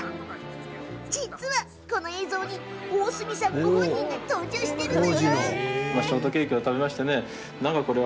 実は、この映像に大角さん本人も登場しているの。